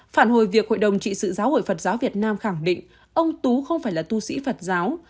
phản hồi việc hội đồng trị sự giáo hội phật giáo việt nam khẳng định ông tú không phải là tu sĩ phật giáo